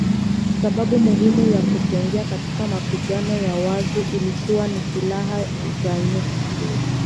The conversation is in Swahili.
Sababu muhimu ya kutoingia katika mapigano ya wazi ilikuwa ni silaha za nyuklia